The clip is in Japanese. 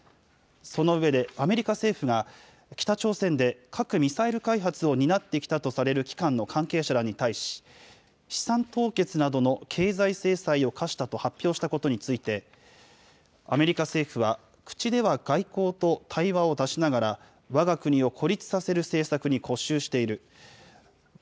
その上で、アメリカ政府が、北朝鮮で、核・ミサイル開発を担ってきたとされる機関の関係者らに対し、資産凍結などの経済制裁を科したと発表したことについて、アメリカ政府は、口では外交と対話を出しながら、わが国を孤立させる政策に固執している。